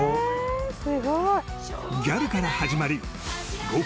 ギャルから始まり合計